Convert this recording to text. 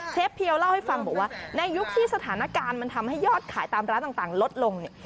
เพียวเล่าให้ฟังบอกว่าในยุคที่สถานการณ์มันทำให้ยอดขายตามร้านต่างลดลงเนี่ย